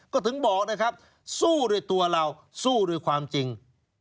ก็ถึงบอกนะครับสู้ด้วยตัวเราสู้ด้วยความจริง